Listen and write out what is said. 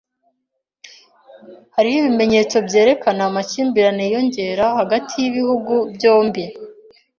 Hariho ibimenyetso byerekana amakimbirane yiyongera hagati y’ibihugu byombi.